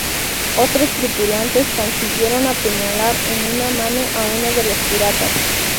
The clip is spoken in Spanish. Otros tripulantes consiguieron apuñalar en una mano a uno de los piratas.